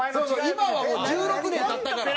今はもう１６年経ったから。